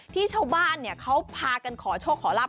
ชาวบ้านเขาพากันขอโชคขอลาบ